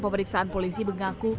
pemeriksaan polisi mengaku